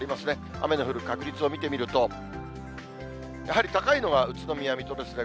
雨の降る確率を見てみると、やはり高いのは宇都宮、水戸ですね。